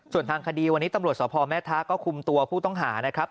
ส่วนทางคดีวันนี้ตำรวจสพแม่ทะก็คุมตัวผู้ต้องหานะครับ